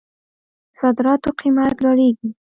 د صادراتو قیمت رالویږي.